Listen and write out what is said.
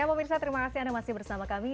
ya pemirsa terima kasih anda masih bersama kami